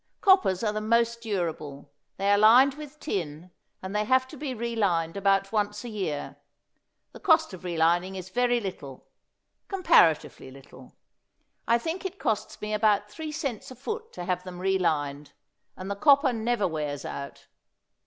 Coppers are the most durable; they are lined with tin, and they have to be relined about once a year; the cost of relining is very little comparatively little; I think it costs me about three cents a foot to have them relined, and the copper never wears out.